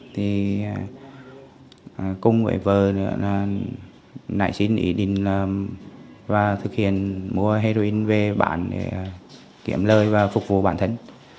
thì cùng với vợ nãy xin ý định và thực hiện mua heroin về bản để kiếm lời và phục vụ bản thân